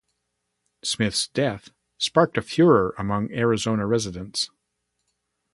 Smith's death sparked a furor among Arizona residents.